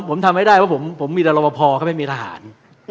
ทำไมไม้ได้เพราะว่าผมมีแต่ระวัพพลก็ไม่มีทหาร